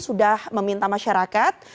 sudah meminta masyarakat